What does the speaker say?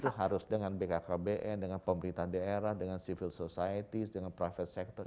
itu harus dengan bkkbn dengan pemerintah daerah dengan civil society dengan private sector